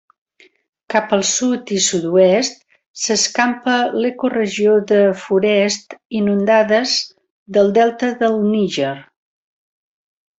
Cap al sud i sud-oest s'escampa l'ecoregió de Forests inundades del Delta del Níger.